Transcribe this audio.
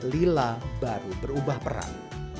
lila baru berubah peran